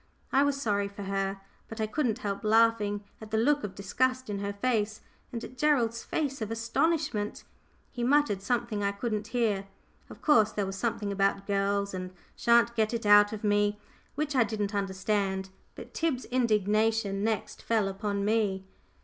I was sorry for her, but I couldn't help laughing at the look of disgust in her face, and at Gerald's face of astonishment. He muttered something I couldn't hear of course there was something about "girls," and "sha'n't get it out of me," which I didn't understand. But Tib's indignation next fell upon me.